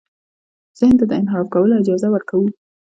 ذهن ته د انحراف کولو اجازه ورکوو.